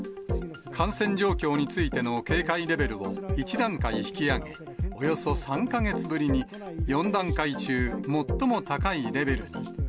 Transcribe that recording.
感染状況についての警戒レベルを１段階引き上げ、およそ３か月ぶりに、４段階中、最も高いレベルに。